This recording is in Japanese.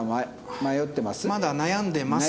「まだ悩んでます」と。